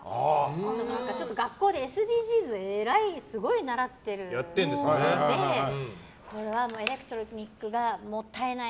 あと、学校でＳＤＧｓをえらいすごい習ってるのでこれはエレクトロニックがもったいない。